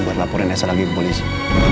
buat laporan saya lagi ke polisi